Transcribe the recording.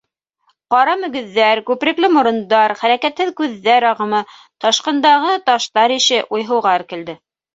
Ҡара мөгөҙҙәр, күперекле морондар, хәрәкәтһеҙ күҙҙәр ағымы, ташҡындағы таштар ише, уйһыуға эркелде.